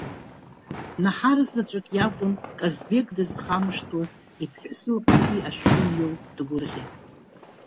Наҳар заҵәык иакәын Казбек дызхамышҭуаз иԥҳәыс лҟынтәи ашәҟәы аниоу дгәырӷьеит…